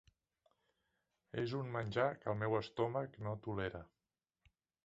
És un menjar que el meu estómac no tolera.